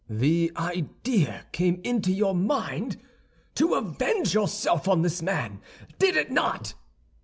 "The idea came into your mind to avenge yourself on this man, did it not?"